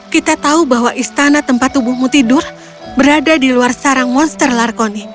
kita tahu bahwa istana tempat tubuhmu tidur berada di luar sarang monster larkoni